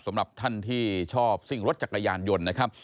สำหรับท่านที่ชอบซิ่งรถจักรยานยนต์นะครับ